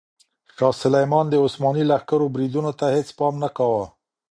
شاه سلیمان د عثماني لښکرو بریدونو ته هیڅ پام نه کاوه.